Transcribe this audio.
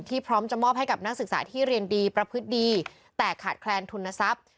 พร้อมจะมอบให้กับนักศึกษาที่เรียนดีประพฤติดีแต่ขาดแคลนทุนทรัพย์